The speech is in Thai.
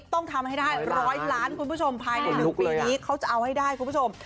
ต้องทำให้ได้๑๐๐ล้านคุณผู้ชมภายใน๑ปีนี้เขาจะเอาให้ได้คุณผู้ชม